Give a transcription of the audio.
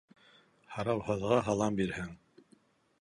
Һарауһыҙға һалам бирһәң